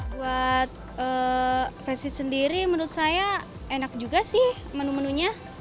buat fast footh sendiri menurut saya enak juga sih menu menunya